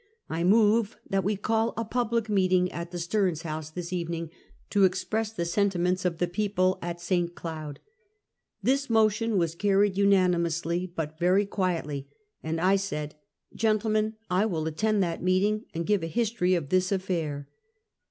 I move that we call a pub lic meeting at the Stearns House this evening, to ex press the sentiments of the people at St. Cloud." This motion was carried unanimously, but very quietly, and I said: " Gentlemen, I will attend that meeting and give a history of this affair."